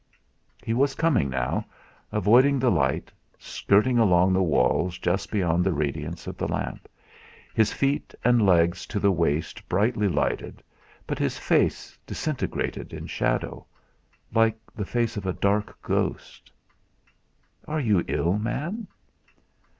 He was coming now, avoiding the light, skirting along the walls just beyond the radiance of the lamp, his feet and legs to the waist brightly lighted, but his face disintegrated in shadow, like the face of a dark ghost. "Are you ill, man?"